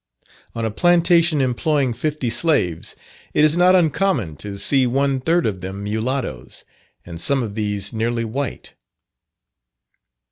On a plantation employing fifty slaves, it is not uncommon to see one third of them mulattoes, and some of these nearly white.